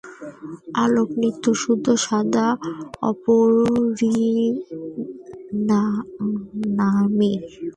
আলোক নিত্যশুদ্ধ, সদা অপরিণামী।